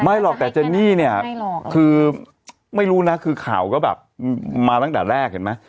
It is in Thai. หรอกแต่เจนนี่เนี่ยคือไม่รู้นะคือข่าวก็แบบมาตั้งแต่แรกเห็นไหม